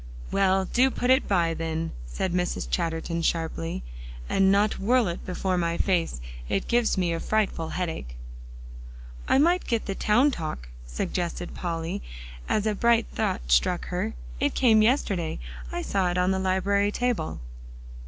"Well, do put it by, then," said Mrs. Chatterton sharply, "and not whirl it before my face; it gives me a frightful headache." "I might get the Town Talk" suggested Polly, as a bright thought struck her. "It came yesterday. I saw it on the library table."